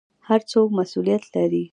هر څوک مسوولیت لري